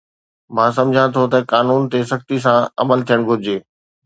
مان سمجهان ٿو ته قانون تي سختي سان عمل ٿيڻ گهرجي